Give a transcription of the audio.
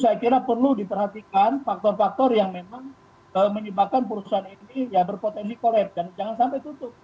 saya kira perlu diperhatikan faktor faktor yang memang menyebabkan perusahaan ini ya berpotensi kolap dan jangan sampai tutup